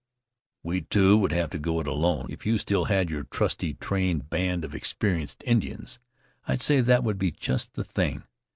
"We two would have to go it alone. If you still had your trusty, trained band of experienced Indians, I'd say that would be just the thing.